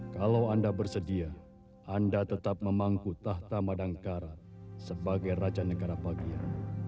kalau anda bersedia anda tetap memangku tahta madangkarat sebagai raja negara bagian